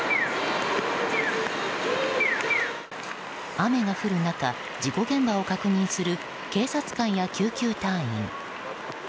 雨が降る中、事故現場を確認する警察官や救急隊員。